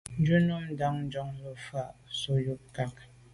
Njù num ndàn njon le’njù fa bo sô yub nkage.